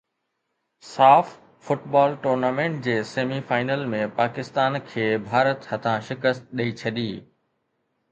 ساف football tournament جي semi final ۾ Pakistan کي ڀارت هٿان شڪست ڏئي ڇڏي